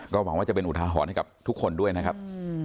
หวังว่าจะเป็นอุทาหรณ์ให้กับทุกคนด้วยนะครับ